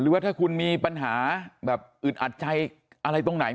ว่าถ้าคุณมีปัญหาแบบอึดอัดใจอะไรตรงไหน